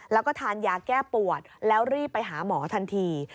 แล้วก็ทานยาแก้ปวดแล้วรีบไปหาหมอทันที